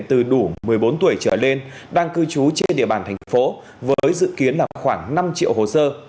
từ đủ một mươi bốn tuổi trở lên đang cư trú trên địa bàn thành phố với dự kiến là khoảng năm triệu hồ sơ